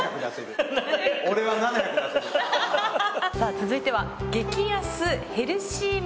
さあ続いては。